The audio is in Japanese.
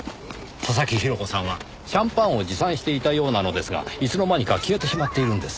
佐々木広子さんはシャンパンを持参していたようなのですがいつの間にか消えてしまっているんです。